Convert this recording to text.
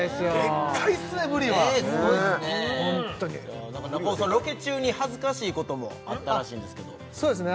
でっかいっすねブリはねえすごいっすね中尾さんロケ中に恥ずかしいこともあったらしいんですけどそうですね